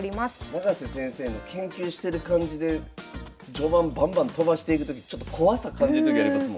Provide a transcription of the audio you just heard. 永瀬先生の研究してる感じで序盤バンバンとばしていくときちょっと怖さ感じるときありますもんね。